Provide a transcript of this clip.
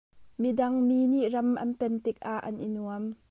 Miding mi nih ram an pen tikah mi an i nuam.